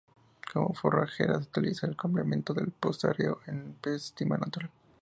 Como forrajera se utiliza de complemento del pastoreo en pastizal natural.